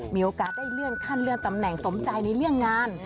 มีโอกาสได้เลื่อนขั้นเลื่อนตำแหน่งสมใจในเรื่องงาน